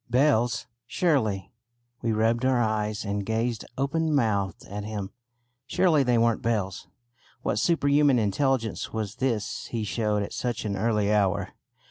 Bells! Surely we rubbed our eyes and gazed open mouthed at him surely they weren't bells! What superhuman intelligence was this he showed at such an early hour.